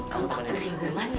kamu takut tersinggungan